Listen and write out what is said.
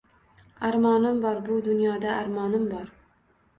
Armonim bor, bu dunyoda armonim bor